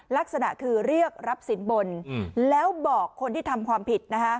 ลักษณะคือเรียกรับสินบนแล้วบอกคนที่ทำความผิด